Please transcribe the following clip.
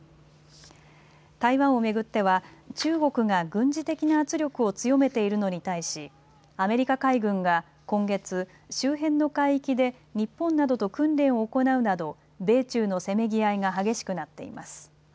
台湾を巡っては中国が軍事的な圧力を強めているのに対しアメリカ海軍が今月、周辺の海域で日本などと訓練を行うなど米中のせめぎ合いが激しくなっています。